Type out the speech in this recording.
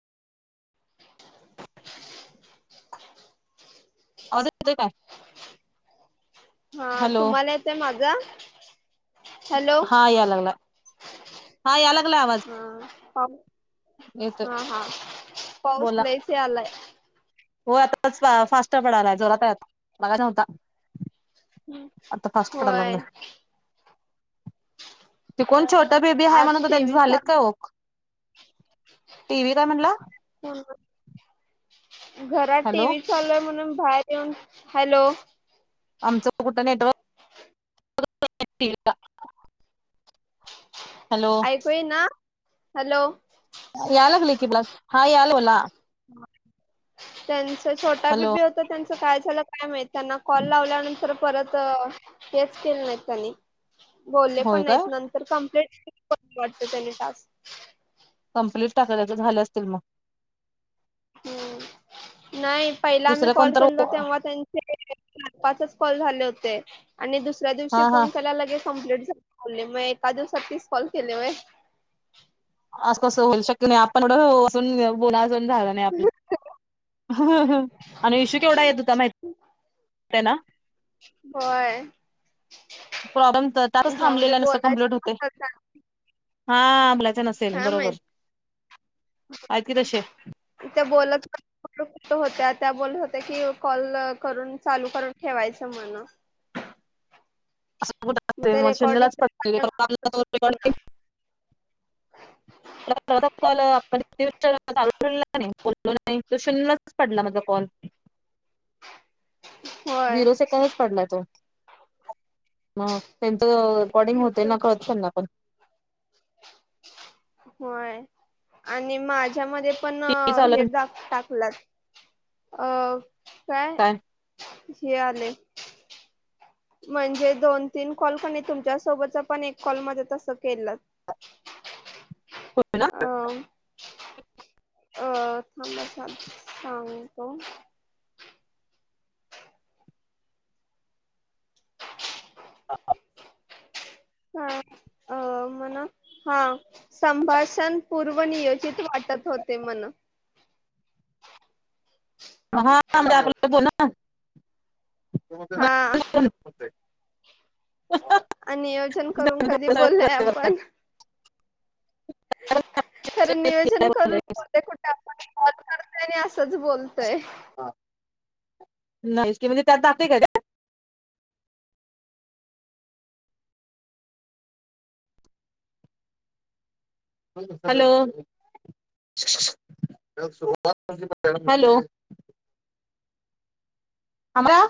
[inaudible] आवाज येतोय काय? हा हॅलो तुम्हाला येतोय माझा? हॅलो. हा या लागला हा यालाय. हा पाऊस येतोय हा हा पाऊस बोला लयचं यालाय. हो आता फा फास्ट पडलाय जोरात आहे आत्ता, मगाशी नव्हता. आत्ता फास्ट पडाय होय लागलाय. ते कोण छ छोटा बेबी आहे म्हणत आज होता त्यांच टीव्ही झालेत काय चालू ओ? टी. व्ही. काय म्हणला? घरात टी. Hello V. चालू आहे म्हणून बाहेर येऊन हॅलो आमचं पण कुठं नेटवर्क [unintelligible] टी. व्हीला ऐकू येईना? हॅलो. यायला लागलंय कि मला, हा यायलय मला हा. त्यांच छोटा हॅलो बेबी होत त्यांचं काय झालं काय माहित. त्यांना कॉल लावल्यानंतर परत हेच केल नाहीत त्यांनी बोलले होय पण काय नाहीत नंतर कंप्लिट केलीत वाटत त्यानी टास्क कंप्लीट टाकाल्यात झाले असतील मग हम्म नाही. पहिला आम्ही दुसरं कॉल कोणतर केलतो तेव्हा त्यांचे चार पाचच कॉल झाले होते. आणि दुसऱ्या हा दिवशी हा फोन केल्यावर लगेच कंप्लीट झाले बोल्ले. मग एका दिवसात तीस कॉल केले होय? अस कसं होईल, शक्य नाही. आपण एवढं पासून बोला अजून झाला नाही आपला आणि इशू केवढा येत होता माहिती तय ना होय. प्रॉब्लेम तर त्यातच जाऊ दे थांबलेल्याना बोलायचं कंप्लिट होतोय. नसतं त्यांना हा बोलायचं नसेल, काय माहित बरोबर. आहेत की तसे [unintelligible] त्या होत्या त्या बोलत होत्या की कॉल करून चालू करून ठेवायचं म्हण. [unintelligible] अस कुठं असतंय, ते मग शून्यलाच पड रेकॉर्डिंग होणार [unintelligible] [unintelligible] माझा पहिला कॉल आपण चालूच ठेवलेला कनई बोललोच नाही तो शून्यच पडला माझा कॉल. [inaudible] होय झीरो सेकंदच पडलाय तो, मग त्या हो. रेकॉर्डिंग होतंय ना कळतंय त्यांना पण होय आणि माझ. त्याच्यामध्ये पण टीव्ही चालू हे दाक टाकलात अ काय हे आलंय. म्हणजे दोन तीन कॉल कनी तुमच्या सोबतचा पण एक कॉल माझा तस केल्यात [unintelligible] हो ना. अह थांबा सा सांगतो. आ आ हा अ मणा हा संभाषण पूर्व नियोजित वाट. [unintelligible] हा बोला ना. हा. आणि नियोजन करून कधी बोललय आपण. खर नियोजन करून कुठे कुठे आपण कॉल करत अस. तच बोलतोय. नाहीच की म्हणजे त्यात नाक का का. हॅलो. हॅलो. आमरा.